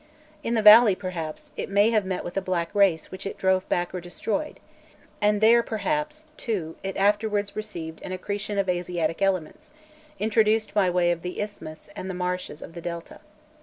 In the valley, perhaps, it may have met with a black race which it drove back or destroyed; and there, perhaps, too, it afterwards received an accretion of Asiatic elements, introduced by way of the isthmus and the marshes of the Delta.